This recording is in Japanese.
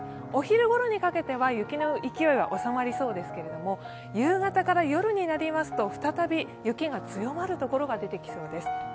お昼ごろにかけては雪の勢いは収まりそうですけれども夕方から夜になりますと、再び雪が強まる所が出てきそうです。